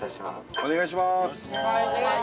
お願いします！